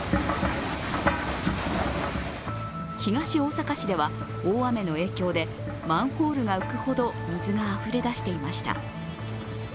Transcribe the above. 東大阪市では、大雨の影響でマンホールが浮くほど水があふれ出していました。